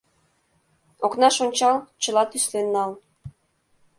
— Окнаш ончал, чыла тӱслен нал.